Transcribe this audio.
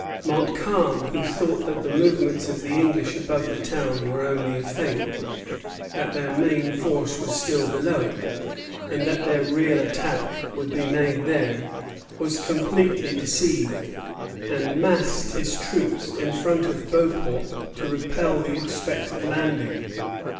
Montcalm, who thought that the movements of the English above the town were only a feint, that their main force was still below it, and that their real attack would be made there, was completely deceived, and massed his troops in front of Beauport to repel the expected landing.